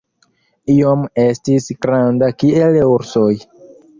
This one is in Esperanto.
Iom estis granda kiel ursoj.